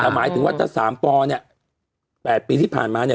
แต่หมายถึงว่าถ้า๓ปเนี่ย๘ปีที่ผ่านมาเนี่ย